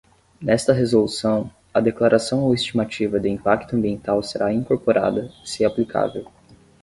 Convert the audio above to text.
Nesta resolução, a declaração ou estimativa de impacto ambiental será incorporada, se aplicável.